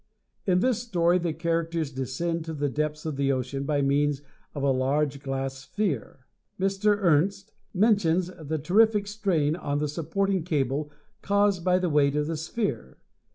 In this story the characters descend to the depths of the ocean by means of a large glass sphere. Mr. Ernst mentions the terrific strain on the supporting cable caused by the weight of the sphere.